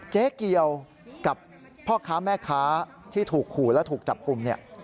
เจ๊เกียวกับพ่อค้าแม่ค้าที่ถูกขู่และถูกจับกลุ่มเนี่ย